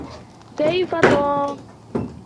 كيف توم؟